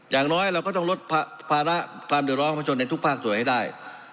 อย่างน้อยเราก็ลดภาระความเดี่ยวร้อนของในทุกภาคสวยให้ได้